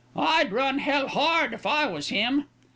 I'd run hell hard if I was him."